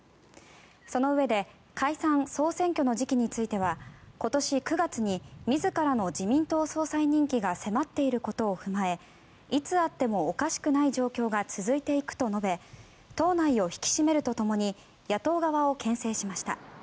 そのうえで解散・総選挙の時期については今年９月に自らの自民党総裁任期が迫っていることを踏まえいつあってもおかしくない状況が続いていくと述べ党内を引き締めるとともに野党側をけん制しました。